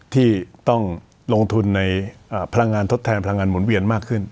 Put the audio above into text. ที่ต้องลงทุนในพลังงานทดแทนพลังงานหมุนเวียนมากขึ้น